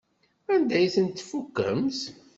Anda ay tent-tfukemt?